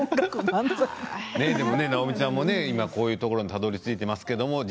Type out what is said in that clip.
でも直美ちゃんも今こういうところにたどりついていますけれども。